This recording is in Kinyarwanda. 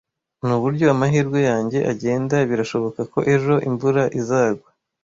Nuburyo amahirwe yanjye agenda, birashoboka ko ejo imvura izagwa.